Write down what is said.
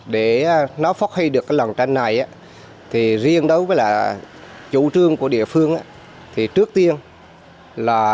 để nó phát huy được lòng tranh này thì riêng đối với là chủ trương của địa phương thì trước tiên là